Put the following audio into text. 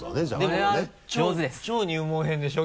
これは超入門編でしょ？